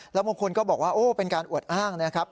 แล้วบางคนก็บอกว่าโอ้เป็นการอวดอ้างนะครับ